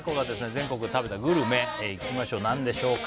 全国で食べたグルメいきましょう何でしょうか？